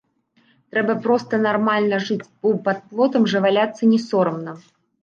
Трэба проста нармальна жыць, бо пад плотам жа валяцца не сорамна.